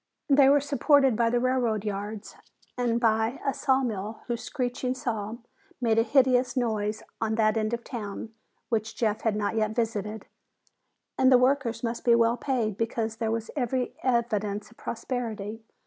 They were supported by the railroad yards and by a sawmill whose screeching saw made a hideous noise on that end of town which Jeff had not yet visited, and the workers must be well paid because there was every evidence of prosperity.